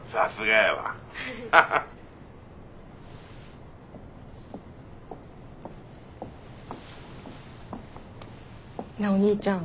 ハハッ。なあお兄ちゃん。